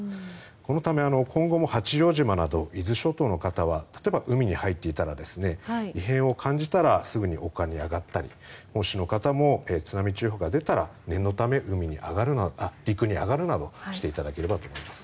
このため、今後も八丈島など伊豆諸島の方は例えば海に入っていたら異変を感じたらすぐに陸に上がったり漁師の方も津波注意報が出たら念のため陸に上がるなどしていただければと思います。